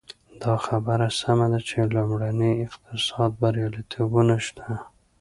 دا خبره سمه ده چې لومړني اقتصادي بریالیتوبونه شته.